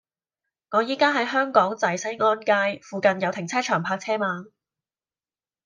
我依家喺香港仔西安街，附近有停車場泊車嗎